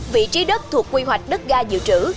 vị trí đất thuộc quy hoạch đất ga dự trữ